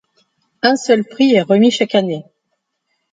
Un seul prix est remis chaque année.